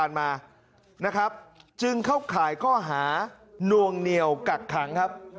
ซึ่งเขาขายก็หานวงเหนียวกักขังครับ